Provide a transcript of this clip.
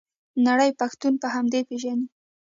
نړۍ پښتون په همدې پیژني.